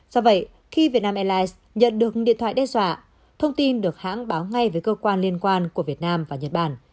do vậy khi vietnam airlines nhận được điện thoại đe dọa thông tin được hãng báo ngay với cơ quan liên quan của việt nam và nhật bản